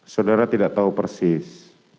saudara tidak tahu persis